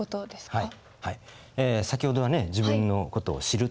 はい。